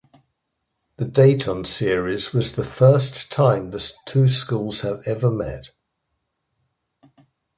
The Dayton series was the first time the two schools have ever met.